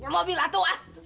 mobil lah tuh ah